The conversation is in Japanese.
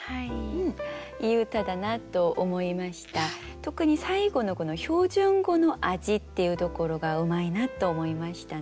特に最後の「標準語の味」っていうところがうまいなと思いましたね。